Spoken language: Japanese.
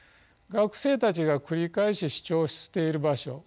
学生たちが繰り返し視聴している場所